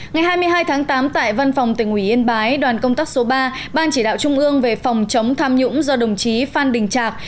ngày hai mươi hai tháng tám tại văn phòng tỉnh ủy yên bái đoàn công tác số ba ban chỉ đạo trung ương về phòng chống tham nhũng do đồng chí phan đình trạc